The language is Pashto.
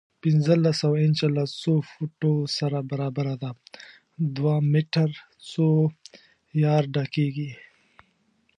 پنځلس سوه انچه له څو فوټو سره برابره ده؟ دوه میټر څو یارډه کېږي؟